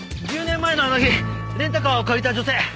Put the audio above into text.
１０年前のあの日レンタカーを借りた女性。